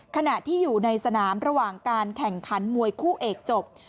ขณะที่อยู่ในสนามระหว่างการแข่งขันมวยคู่เอกจบ